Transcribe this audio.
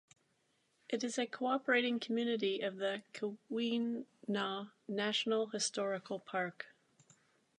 It is a cooperating community of the Keweenaw National Historical Park.